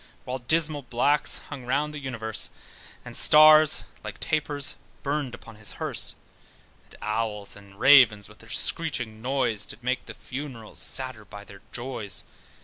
While dismal blacks hung round the universe, And stars (like tapers) burned upon his hearse: And owls and ravens with their screeching noise Did make the funerals sadder by their joys.